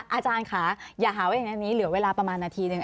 อาจารย์ค่ะอย่าหาว่าอย่างนี้เหลือเวลาประมาณนาทีหนึ่ง